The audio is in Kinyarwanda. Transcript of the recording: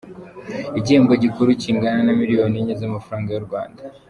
Igihembo gikuru kingana na miliyoni enye z’amafaranga y’u Rwanda.